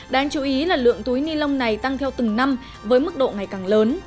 đáng chú ý là lượng túi ni lông này tăng theo từng năm với mức độ ngày càng lớn